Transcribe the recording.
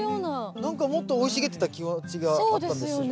なんかもっと生い茂ってた気持ちがあったんですが。